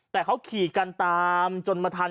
แต่เขาขี่กันตามจนมาทัน